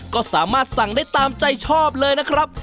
ก็สามารถสั่งได้ตามใจชอบเลยนะครับ